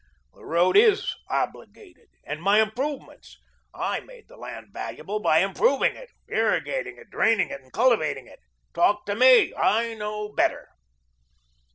The road IS obligated. And my improvements! I made the land valuable by improving it, irrigating it, draining it, and cultivating it. Talk to ME. I know better."